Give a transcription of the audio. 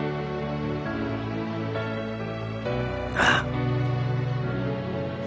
ああ